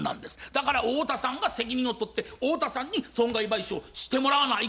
だから太田さんが責任を取って太田さんに損害賠償してもらわない